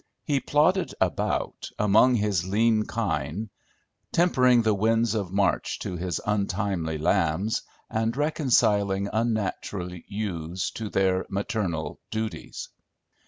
He plodded about, among his lean kine, tempering the winds of March to his untimely lambs, and reconciling unnatural ewes to their maternal duties.